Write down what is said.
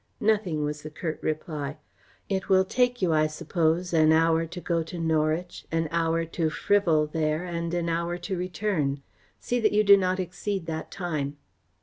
"Nothing," was the curt reply. "It will take you, I suppose, an hour to go to Norwich, an hour to frivol there, and an hour to return. See that you do not exceed that time."